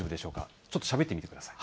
ちょっとしゃべってみてください。